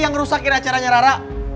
yang ngerusakin acaranya rara